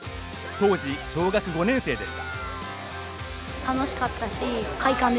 当時、小学５年生でした。